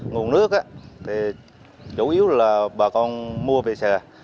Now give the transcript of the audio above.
nguồn nước thì chủ yếu là bà con mua về xe